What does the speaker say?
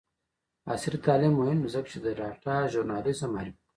عصري تعلیم مهم دی ځکه چې د ډاټا ژورنالیزم معرفي کوي.